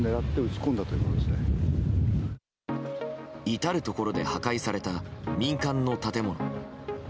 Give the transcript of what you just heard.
至るところで破壊された民間の建物。